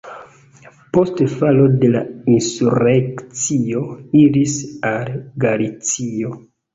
Post falo de la insurekcio iris al Galicio.